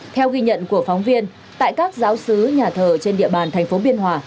theo ghi nhận của phóng viên tại các giáo sứ nhà thờ trên địa bàn tp biên hòa